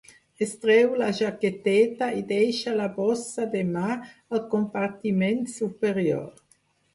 Es treu la jaqueteta i deixa la bossa de mà al compartiment superior.